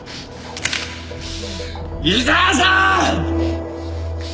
井沢さん！